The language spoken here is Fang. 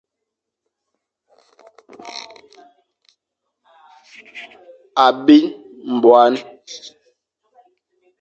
A bin nbuan.